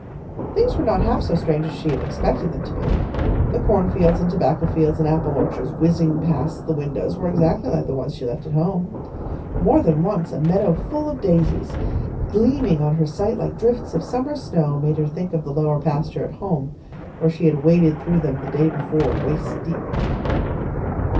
Things were not half so strange as she had expected them to be. The corn fields and tobacco fields and apple orchards whizzing past the windows were exactly like the ones she had left at home. More than once a meadow full of daisies, gleaming on her sight like drifts of summer snow, made her think of the lower pasture at home, where she had waded through them the day before, waist deep.